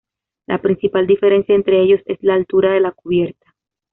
La principal diferencia entre ellos es la altura de la cubierta.